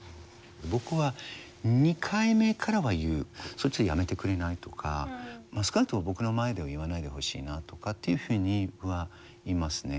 僕は２回目からは言う「それちょっとやめてくれない？」とか少なくとも僕の前では言わないでほしいなとかっていうふうに僕は言いますね。